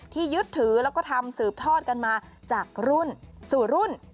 ยึดถือแล้วก็ทำสืบทอดกันมาจากรุ่นสู่รุ่น